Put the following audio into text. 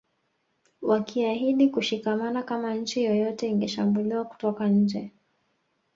Wakiahidi kushikamana kama nchi yoyote ingeshambuliwa kutoka nje